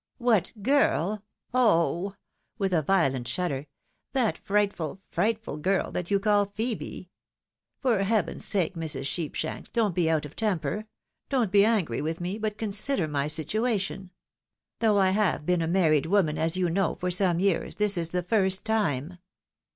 " What girl ?— oh !" with a violent shudder, " that fright ful, frightful girl that you call Phebe. For Heaven's sake, Mrs. Sheepshanks, don't be out of temper. Don't be angry with me, but consider my situation! Though I have been a married woman, as you know, for some years, this is the first time